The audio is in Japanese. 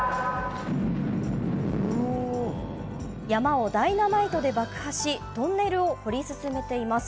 山をダイナマイトで爆破しトンネルを掘り進めています。